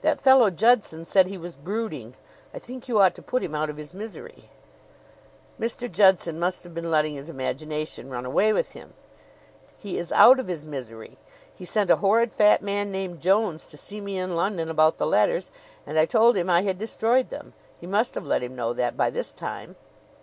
"That fellow Judson said he was brooding. I think you ought to put him out of his misery." "Mr. Judson must have been letting his imagination run away with him. He is out of his misery. He sent a horrid fat man named Jones to see me in London about the letters, and I told him I had destroyed them. He must have let him know that by this time."